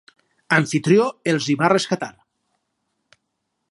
Amfitrió els hi va rescatar.